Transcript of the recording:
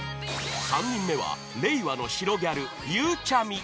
［３人目は令和の白ギャルゆうちゃみ］